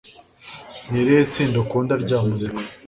Ni irihe tsinda ukunda rya muzika